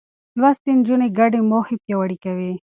لوستې نجونې ګډې موخې پياوړې کوي.